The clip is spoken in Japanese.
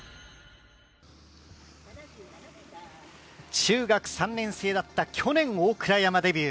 中学３年生だった去年大倉山デビュー。